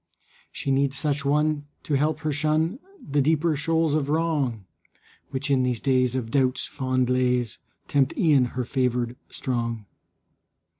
She needs such one to help her shun The deeper shoals of wrong, Which in these days of doubt's fond lays Tempt e'en her favored strong.